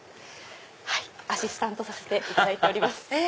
アシスタントさせていただいております。